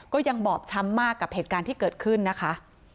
ก็ยังบอบช้ำมากกับเหตุการณ์ที่เกิดขึ้นนะคะ